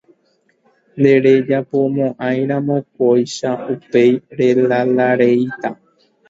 Nderejapóiramo kóicha upéi relalareíta.